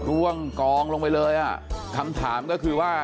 ร่วงกองลงไปเลยอ่ะคำถามก็คือว่า